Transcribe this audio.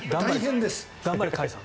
頑張れ甲斐さん。